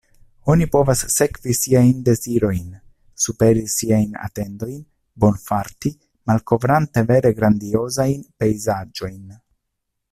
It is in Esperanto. Oni povas sekvi siajn dezirojn, superi siajn atendojn, bonfarti, malkovrante vere grandiozajn pejzaĝojn!